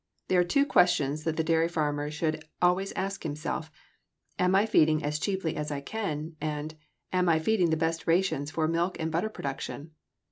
There are two questions that the dairy farmer should always ask himself: Am I feeding as cheaply as I can? and, Am I feeding the best rations for milk and butter production?